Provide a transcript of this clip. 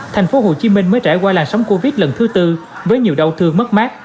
tp hcm mới trải qua làn sóng covid lần thứ tư với nhiều đau thương mất mát